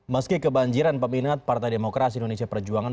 meski kebanjiran peminat partai demokrasi indonesia perjuangan